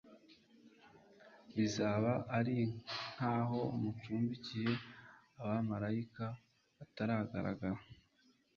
bizaba ari nkaho mucumbikiye abamaraika batagaragara.